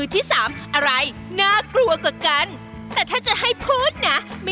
ดีไหม